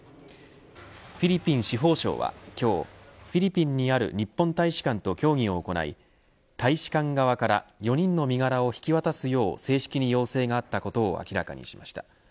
フィリピン司法省は今日フィリピンにある日本大使館と協議を行い大使館側から４人の身柄を引き渡すよう正式に要請があったことを明らかにしました。